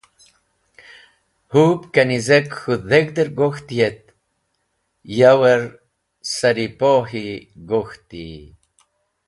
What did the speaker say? Hũb kanzeki k̃hũ dheg̃hder gok̃hti et yaver saripohi gok̃hti.